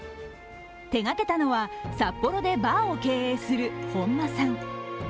手がけたのは、札幌でバーを経営する本間さん。